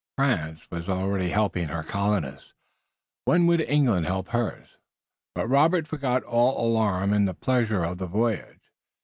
France was already helping her colonists. When would England help hers? But Robert forgot all alarm in the pleasure of the voyage.